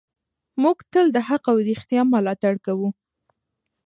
موږ تل د حق او رښتیا ملاتړ کوو.